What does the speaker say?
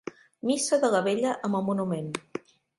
Missa de la vetlla amb el Monument.